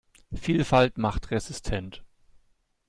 Vielfalt macht resistent.